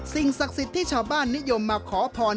สิ่งศักดิ์สิทธิ์ที่ชาวบ้านนิยมมาขอพร